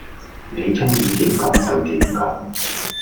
你鍾意點講就點講